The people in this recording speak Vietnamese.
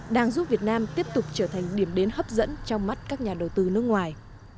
đang giúp việt nam tiếp tục trở thành điểm đến hấp dẫn trong mắt các nhà đầu tư nước ngoài